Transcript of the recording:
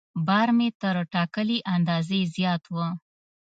بار مې تر ټاکلي اندازې زیات و.